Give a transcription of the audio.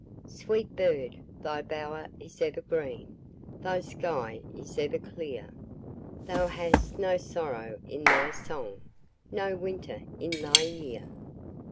Sweet bird! thy bower is ever green, Thy sky is ever clear; Thou hast no sorrow in thy song, No winter in thy year!